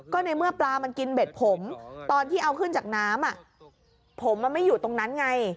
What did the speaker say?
ก็ในเมื่อปลามันกินเบ็ดผมตอนที่เอาขึ้นจากน้ำผมมันไม่อยู่ตรงนั้นไง